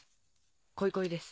「こいこい」です。